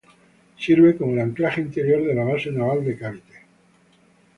Sirve como el anclaje interior de la Base Naval de Cavite.